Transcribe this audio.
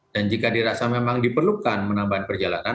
dan jika dirasa memang diperlukan menambahkan perjalanan